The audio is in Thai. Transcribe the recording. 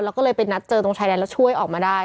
แล้วก็เลยไปนัดเจอตรงชายแดนแล้วช่วยออกมาได้